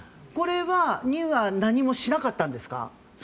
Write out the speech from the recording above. これらには何もしなかったんですか？